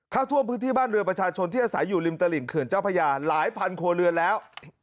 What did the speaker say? เข้าท่วมพื้นที่บ้านเรือประชาชนที่อาศัยอยู่ริมตลิ่งเขื่อนเจ้าพญาหลายพันครัวเรือนแล้ว